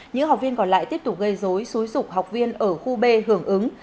những học viên còn lại tiếp tục gây dối xúi rục học viên ở khu b hưởng ứng